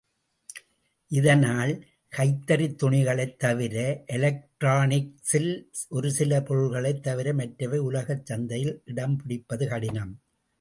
இதனால் கைத்தறித்துணிகளைத் தவிர, எலெக்ட்ரானிக்ஸில் ஒருசில பொருள்களைத் தவிர மற்றவை உலகச் சந்தையில் இடம் பிடிப்பது கடினம்.